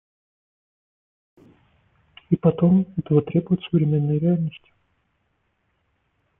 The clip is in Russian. И потом, этого требуют современные реальности.